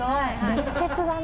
熱血だな。